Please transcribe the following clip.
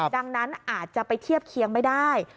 ดังนั้นอาจจะไปเทียบเคียงไม่ได้